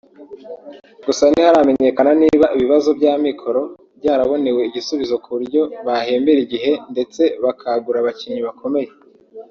Gusa ntiharamenyekana niba ibibazo by’amikoro byarabonewe igisubizo ku buryo bahembera igihe ndetse bakagura abakinnyi bakomeye